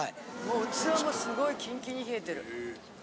器もすごいキンキンに冷えてる。